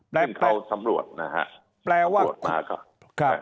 เพราะเขาสำรวจนะครับ